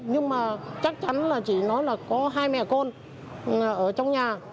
nhưng mà chắc chắn là chỉ nói là có hai mẹ con ở trong nhà